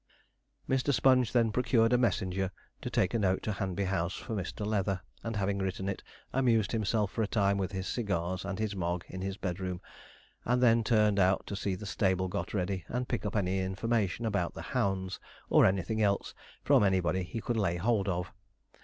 Mr. Sponge then procured a messenger to take a note to Hanby House, for Mr. Leather, and having written it, amused himself for a time with his cigars and his Mogg in his bedroom, and then turned out to see the stable got ready, and pick up any information about the hounds, or anything else, from anybody he could lay hold of.